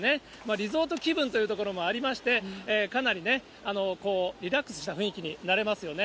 リゾート気分というところもありまして、かなりね、リラックスした雰囲気になれますよね。